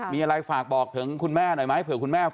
มีอะไรฝากบอกถึงคุณแม่หน่อยไหม